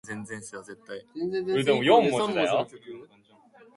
Republicans held the other statewide offices.